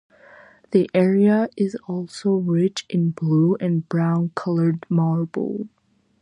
The area is also rich in blue and brown colored marble.